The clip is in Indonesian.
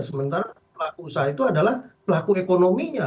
sementara pelaku usaha itu adalah pelaku ekonominya